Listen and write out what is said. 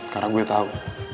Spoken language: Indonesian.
karena gue tau